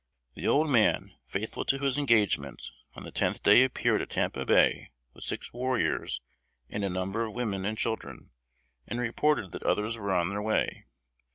The old man, faithful to his engagement, on the tenth day appeared at Tampa Bay with six warriors and a number of women and children, and reported that others were on their way.